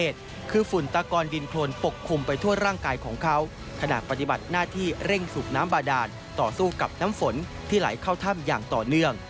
สูบน้ำบาดาลต่อสู้กับน้ำฝนที่ไหลเข้าถ้ำอย่างต่อเนื่อง